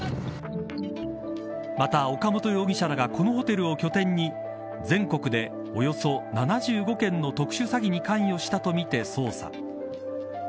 また、岡本容疑者らがこのホテルを拠点に全国でおよそ７５件の特殊詐欺に関与したとみて捜査。